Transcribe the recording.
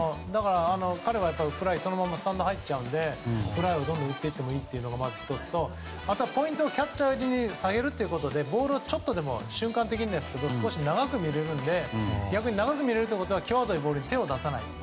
彼はフライ、そのままスタンドに入っちゃうのでフライをどんどん打っていってもいいのがまず１つとあとはポイントを下げるということでボールをちょっとでも瞬間的にですけど長く見れるので逆に長く見れるというのはきわどいボールに手を出さない。